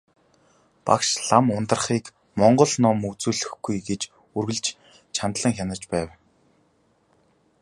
Багш лам Ундрахыг монгол ном үзүүлэхгүй гэж үргэлж чандлан хянаж байв.